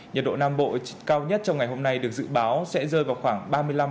nhật độ nam bộ cao nhất trong ngày hôm nay được dự báo sẽ rơi vào khoảng ba mươi năm ba mươi bảy độ c